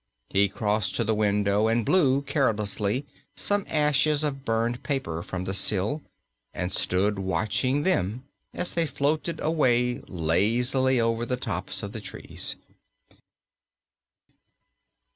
He crossed to the window and blew carelessly some ashes of burned paper from the sill, and stood watching them as they floated away lazily over the tops of the trees.